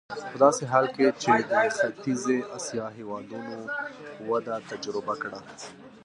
په داسې حال کې چې د ختیځې اسیا هېوادونو وده تجربه کړه.